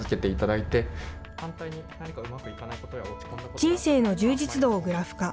人生の充実度をグラフ化。